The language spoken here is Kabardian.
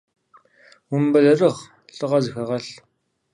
Умыбэлэрыгъ, лӏыгъэ зыхэгъэлъ!